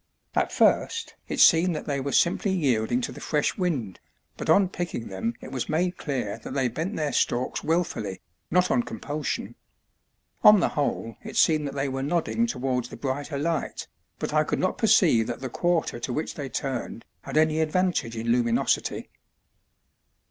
At first it seemed that they were simply yielding to the fresh wind, but on picking them it was made clear that they bent their stalks wilfully, not on compulsion. On the whole it seemed that they were nodding towards the brighter light, but I could not perceive that the quarter to which they turned had any advantage in luminosity.